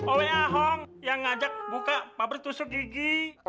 owe ahong yang ngajak buka pabrik tusuk gigi